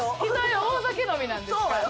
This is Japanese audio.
大酒飲みなんですか。